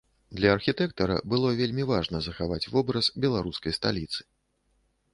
Для архітэктара было вельмі важна захаваць вобраз беларускай сталіцы.